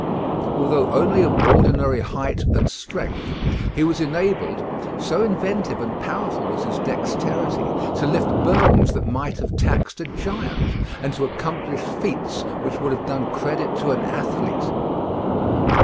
Although only of ordinary height and strength, he was enabled, so inventive and powerful was his dexterity, to lift burdens that might have taxed a giant, and to accomplish feats which would have done credit to an athlete.